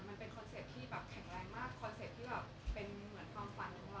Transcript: ทำไมก่อนหน้านี้เราไม่ออกมาเคลียร์เลยเพราะว่ากว่าในระยะเวลามันยาวนานจนกว่า